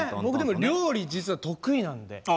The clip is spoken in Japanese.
僕でも料理実は得意なんで。